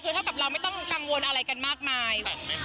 คือเท่ากับเราไม่ต้องกังวลอะไรกันมากมาย